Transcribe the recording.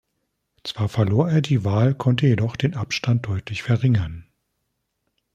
Zwar verlor er diese Wahl, konnte jedoch den Abstand deutlich verringern.